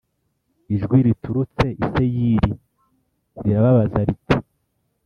Ijwi riturutse i Seyiri rirabaza riti